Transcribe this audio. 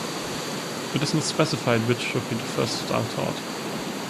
It is not specified which should be the first style taught.